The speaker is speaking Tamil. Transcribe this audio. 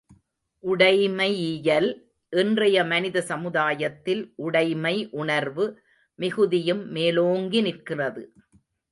உடைமையியல் இன்றைய மனித சமுதாயத்தில் உடைமை உணர்வு மிகுதியும் மேலோங்கி நிற்கிறது.